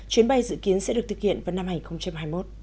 chuyến bay dự kiến sẽ được thực hiện vào năm hai nghìn hai mươi một